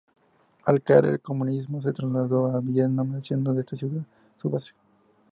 Al caer el comunismo, se trasladó a Viena, haciendo de esta ciudad su base.